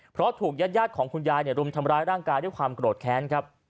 เพราะถูกญาติของคุณยายรุมทำร้ายร่างกายด้วยความโกรธแค้นครับ